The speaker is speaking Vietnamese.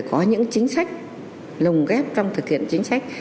có những chính sách lồng ghép trong thực hiện chính sách